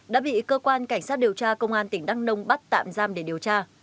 đã bị cơ quan cảnh sát điều tra công an tỉnh đắk nông bắt tạm giam để điều tra